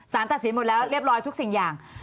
ตัดสินหมดแล้วเรียบร้อยทุกสิ่งอย่าง